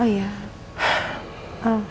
aku mau pergi